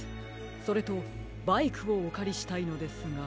それとバイクをおかりしたいのですが。